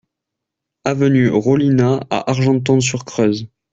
Avenue Rollinat à Argenton-sur-Creuse